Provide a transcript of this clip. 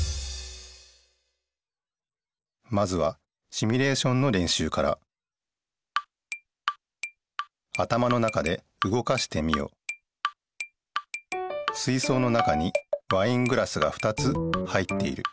まずはシミュレーションのれんしゅうから水そうの中にワイングラスが２つ入っている。